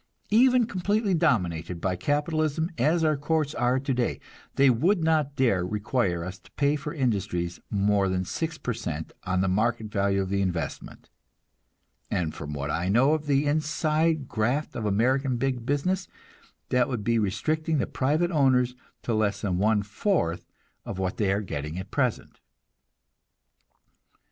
Even completely dominated by capitalism as our courts are today, they would not dare require us to pay for industries more than six per cent on the market value of the investment; and from what I know of the inside graft of American big business that would be restricting the private owners to less than one fourth of what they are getting at present.